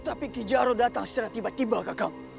tapi kijaro datang secara tiba tiba kakak